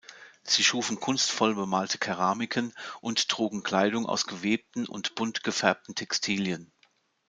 Sie schufen kunstvoll bemalte Keramiken und trugen Kleidung aus gewebten und bunt gefärbten Textilien.